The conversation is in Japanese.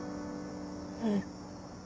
うん。